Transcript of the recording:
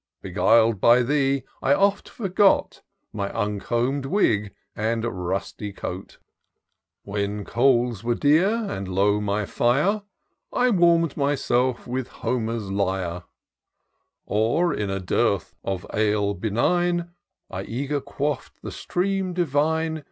Beguil'd by thee, I oft forgot My uncomb'd wig and rusty coat : When coals were dear, and low my fire, I warm'd myself with Homer's lyre : Or, in a dearth of ale benign, I eager quaff 'd the stream divine.